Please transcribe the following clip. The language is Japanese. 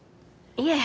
いえ